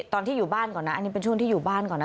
ตอนที่อยู่บ้านก่อนนะอันนี้เป็นช่วงที่อยู่บ้านก่อนนะ